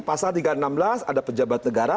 pasal tiga ratus enam belas ada pejabat negara